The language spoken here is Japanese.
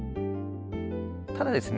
ただですね